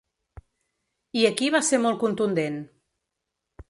I aquí va ser molt contundent.